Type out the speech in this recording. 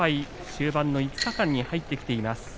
終盤の５日間に入ってきています。